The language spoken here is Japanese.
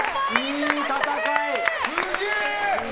いい戦い！